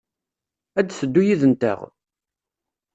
Ad d-teddu yid-nteɣ?